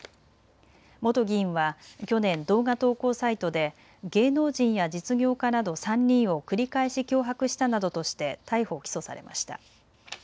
元議員は去年、動画投稿サイトで芸能人や実業家など３人を繰り返し脅迫したなどとして逮捕・起訴されました。